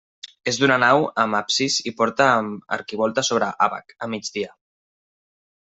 És d'una nau, amb absis i porta amb arquivolta sobre àbac, a migdia.